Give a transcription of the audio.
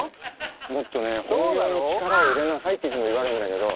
もっとね本業に力を入れなさいっていつも言われるんだけど。